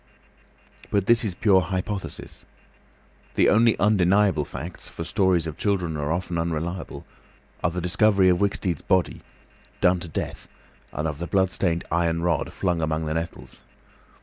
But this is pure hypothesis. The only undeniable facts—for stories of children are often unreliable—are the discovery of Wicksteed's body, done to death, and of the blood stained iron rod flung among the nettles.